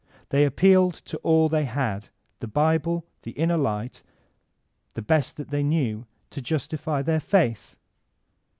They appealed to all they had, the Bible, the inner light, the best that they knew, to justify their faith.